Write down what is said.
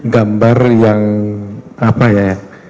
gambar yang apa ya